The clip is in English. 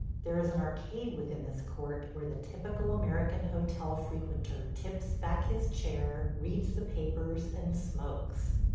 There is an arcade within this court where the typical American hotel frequenter tips back his chair, reads the papers, and smokes.